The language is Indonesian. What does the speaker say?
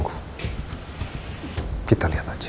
kembali ke dalamwedengan ya